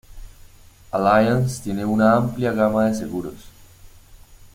Allianz tiene una amplia gama de seguros.